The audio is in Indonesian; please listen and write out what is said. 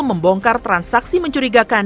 membongkar transaksi mencurigakan